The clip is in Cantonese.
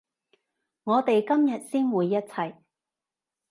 我哋今日先會一齊